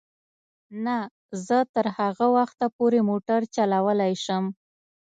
نه، زه تر هغه وخته پورې موټر چلولای شم.